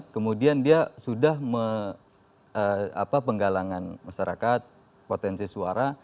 kemudian dia sudah penggalangan masyarakat potensi suara